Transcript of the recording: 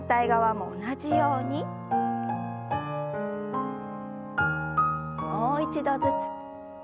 もう一度ずつ。